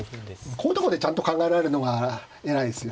こういうとこでちゃんと考えられるのが偉いですよ。